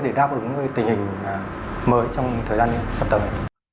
để đáp ứng tình hình mới trong thời gian sắp tới